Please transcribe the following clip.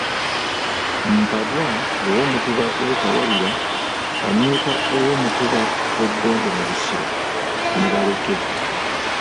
Mpadwa ow'Omutuba gw'e Kawalira, Kamyuka ow'Omutuba gw'e Bbembe mu Busiro, ne Baleke.